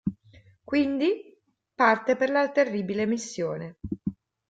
Quindi, parte per la terribile missione.